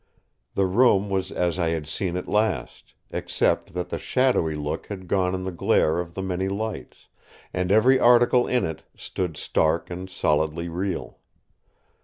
The room was as I had seen it last; except that the shadowy look had gone in the glare of the many lights, and every article in it stood stark and solidly real.